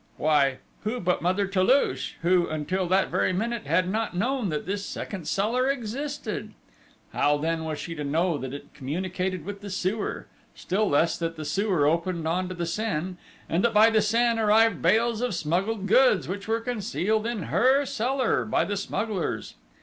Why who but Mother Toulouche, who, until that very minute, had not known that this second cellar existed! How then was she to know that it communicated with the sewer, still less that the sewer opened on to the Seine, and that by the Seine arrived bales of smuggled goods, which were concealed in her cellar by the smugglers?...